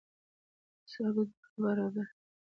حساب د دواړو برابر.